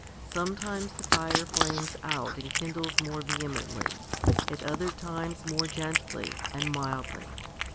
Sometimes the fire flames out and kindles more vehemently; at other times more gently and mildly.